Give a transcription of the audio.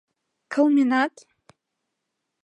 — Кылменат.